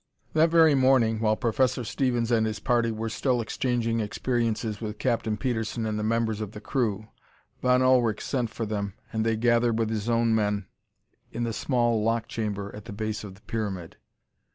That very morning, while Professor Stevens and his party were still exchanging experiences with Captain Petersen and the members of the crew, Von Ullrich sent for them and they gathered with his own men in the small lock chamber at the base of the pyramid.